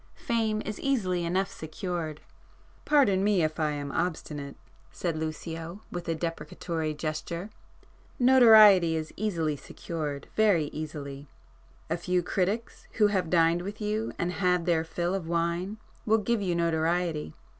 Fame is easily enough secured." "Pardon me if I am obstinate;"—said Lucio with a deprecatory gesture—"Notoriety is easily secured—very easily. A few critics who have dined with you and had their fill of wine, will give you notoriety.